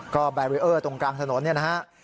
ก็แบรีเออร์ตรงกลางถนนเนี่ยนะฮะ